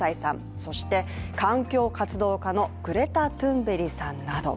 そして環境活動家のグレタ・トゥンベリさんなど。